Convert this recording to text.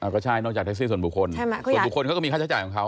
ก็ใช่นอกจากแท็กซี่ส่วนบุคคลส่วนบุคคลเขาก็มีค่าใช้จ่ายของเขา